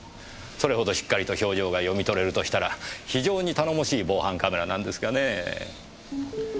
それほどしっかりと表情が読み取れるとしたら非常に頼もしい防犯カメラなんですがねぇ。